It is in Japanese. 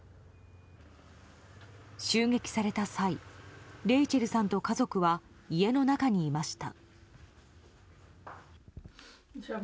襲撃された際レイチェルさんと家族は家の中にいました。